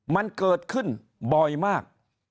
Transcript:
มันเกิดขึ้นบ่อยมาก